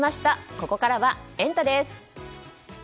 ここからはエンタ！です。